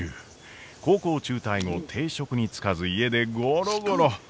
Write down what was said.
高校を中退後定職に就かず家でゴロゴロ。